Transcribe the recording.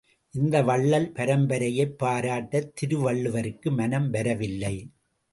இந்த வள்ளல் பரம்பரையைப் பாராட்ட திருவள்ளுவருக்கு மனம் வரவில்லை.